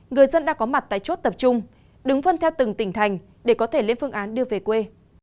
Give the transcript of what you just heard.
người dân đã có mặt tại chốt tập trung đứng phân theo từng tỉnh thành để có thể lên phương án đưa về quê